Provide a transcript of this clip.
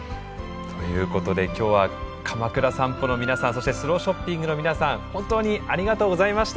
ということで今日はかまくら散歩の皆さんそしてスローショッピングの皆さん本当にありがとうございました。